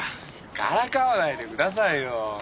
からかわないでくださいよ。